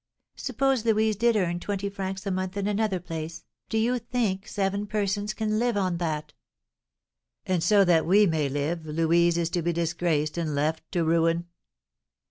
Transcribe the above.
Suppose Louise did earn twenty francs a month in another place, do you think seven persons can live on that?" "And so that we may live, Louise is to be disgraced and left to ruin?"